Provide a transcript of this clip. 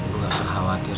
bu gak usah khawatir